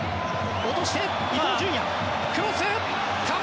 落として伊東純也、クロス！